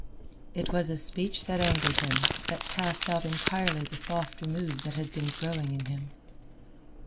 It was a speech that angered him, that cast out entirely the softer mood that had been growing in him.